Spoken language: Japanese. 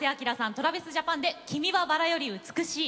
ＴｒａｖｉｓＪａｐａｎで「君は薔薇より美しい」。